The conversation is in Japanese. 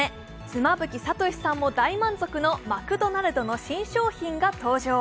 妻夫木聡さんも大満足のマクドナルドの新商品が登場。